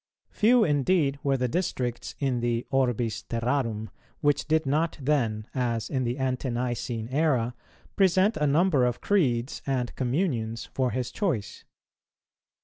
Few indeed were the districts in the orbis terrarum, which did not then, as in the Ante nicene era, present a number of creeds and communions for his choice.